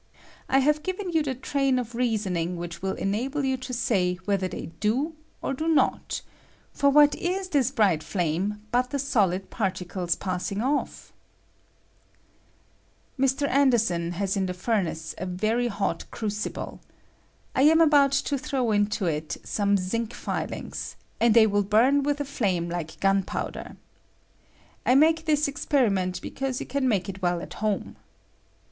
I have given you the train of reasoning which will enable you to say whether they do or do not ; for what is this bright flame bat the solid particles pass ing off ? Mr. Anderson has in the furnace a very hot isrucible. I am about to throw into it some zinc filing, aad they will buru with a flame like gunpowder. I mate this experiment be cause you can make it well at home.